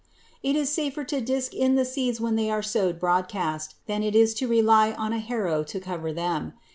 It is safer to disk in the seeds when they are sowed broadcast than it is to rely on a harrow to cover them.